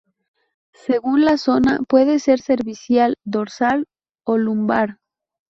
Según la zona, puede ser cervical, dorsal o lumbar.